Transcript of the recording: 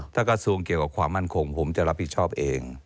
ถ้ากระทรวงเกี่ยวกับความมั่นคงผมจะรับผิดชอบเอง